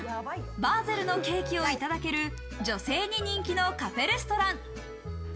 ＢＡＳＥＬのケーキをいただける、女性に人気のカフェレストラン。